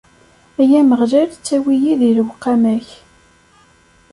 Ay Ameɣlal, ttawi-yi di lewqama-k.